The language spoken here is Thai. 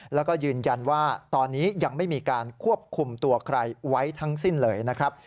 แล้วก็ยืนยันว่าตอนนี้ยังไม่มีการควบคุมตัวใครไว้ทั้งสิ้นเลยนะครับ